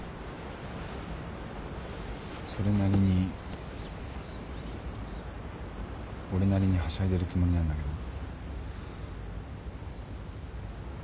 それなりに俺なりにはしゃいでるつもりなんだけど。